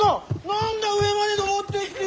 何だ上まで登ってきて。